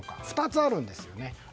２つあるんですね。